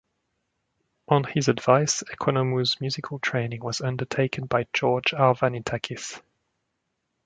On his advice, Economou's musical training was undertaken by George Arvanitakis.